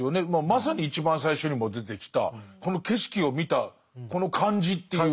まさに一番最初にも出てきたこの景色を見たこの感じという。